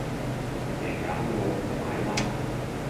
贏硬喎！買啦